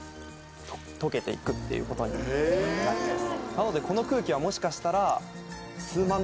なのでこの空気はもしかしたら。